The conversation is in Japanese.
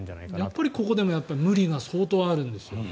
やっぱり、ここでも無理が相当あるんですよ。